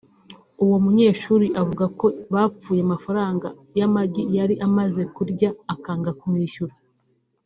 uwo munyeshuri avuga ko bapfuye amafaranga y’amagi yari amaze kurya akanga kumwishyura